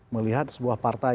melihat sebuah partai